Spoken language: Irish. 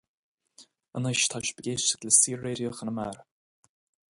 Anois, tá sibh ag éisteacht le Saor-Raidió Chonamara.